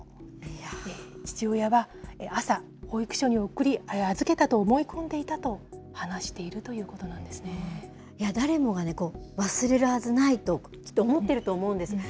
父親は朝、保育所に預けたと思い込んでいたと話しているということなんですいや、誰もがね、忘れるはずないと、きっと思ってると思うんです。